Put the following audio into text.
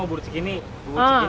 bubur cikini gak pake telur